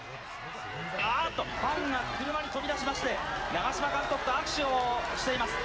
あーっと、ファンが車に飛び出しまして、長嶋監督と握手をしています。